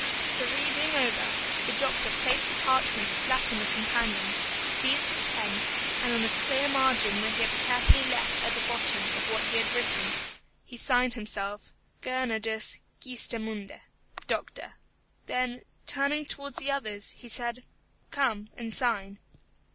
The reading over, the doctor placed the parchment flat on the companion, seized his pen, and on a clear margin which he had carefully left at the bottom of what he had written, he signed himself, GERNARDUS GEESTEMUNDE: Doctor. Then, turning towards the others, he said, "Come, and sign."